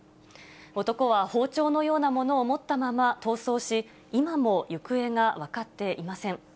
男は、包丁のようなものを持ったまま逃走し、今も行方が分かっていません。